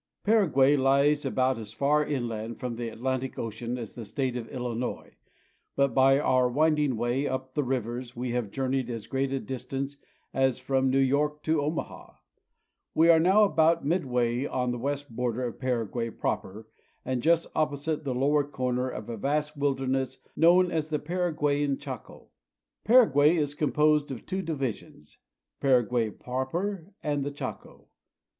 PARAGUAY lies about as far inland from the Atlantic Ocean as the State of Illinois, but by our winding way up the rivers we have journeyed as great a distance as from New York to Omaha. We are now about midway on the west border of Paraguay proper, and just opposite the lower corner of a vast wilderness known as the Para guayan Chaco. Paraguay is composed of two divisions, Paraguay proper and the Chaco.